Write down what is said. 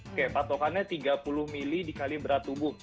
oke patokannya tiga puluh mili dikali berat tubuh